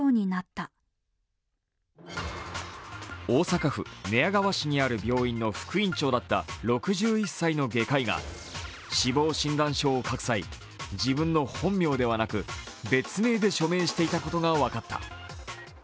大阪府寝屋川市にある病院の副院長だった６１歳の外科医が死亡診断書を書く際、自分の本名ではなく別名で署名していたことが分かった。